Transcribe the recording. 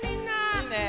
いいね！